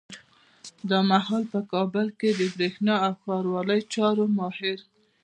دا مهال په کابل کي د برېښنا او ښاروالۍ چارو ماهر